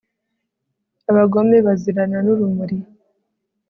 abagome bazirana n'urumuri